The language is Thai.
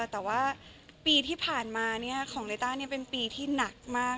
แต่ว่าปีที่ผ่านมาของลิต้าเป็นปีที่หนักมาก